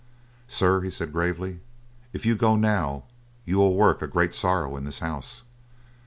"Sir," he said gravely, "if you go now, you will work a great sorrow in this house."